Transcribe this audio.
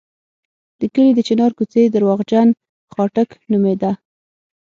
د کلي د چنار کوڅې درواغجن خاټک نومېده.